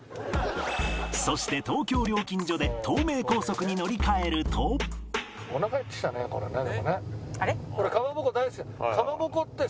そして東京料金所で東名高速に乗り換えるとかまぼこって。